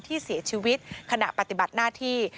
ที่เสียชีวิตขณะปฏิบัติหน้าที่